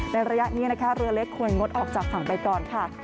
ระยะนี้นะคะเรือเล็กควรงดออกจากฝั่งไปก่อนค่ะ